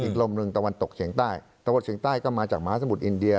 ลมหนึ่งตะวันตกเฉียงใต้ตะเฉียงใต้ก็มาจากมหาสมุทรอินเดีย